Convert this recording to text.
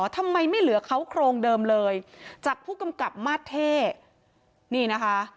ทำไมไม่เหลือเขาโครงเดิมเลยจากผู้กำกับมาสเท่นี่นะคะ